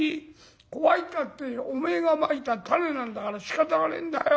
怖いったっておめえがまいた種なんだからしかたがねえんだよ。